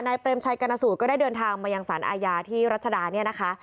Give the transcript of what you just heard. เปรมชัยกรณสูตรก็ได้เดินทางมายังสารอาญาที่รัชดาเนี่ยนะคะ